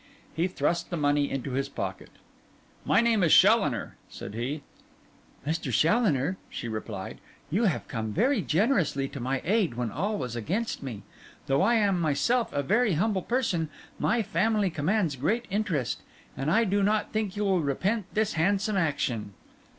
He thrust the money into his pocket. 'My name is Challoner,' said he. 'Mr. Challoner,' she replied, 'you have come very generously to my aid when all was against me. Though I am myself a very humble person, my family commands great interest; and I do not think you will repent this handsome action.